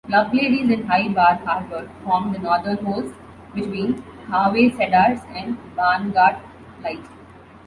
Loveladies and High Bar Harbor form the northernmost, between Harvey Cedars and Barnegat Light.